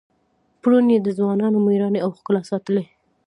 پرون یې د ځوانانو میړانې او ښکلا ستایلې.